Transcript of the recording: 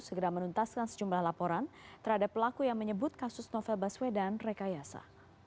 segera menuntaskan sejumlah laporan terhadap pelaku yang menyebut kasus novel baswedan rekayasa